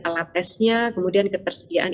alat tesnya kemudian ketersediaan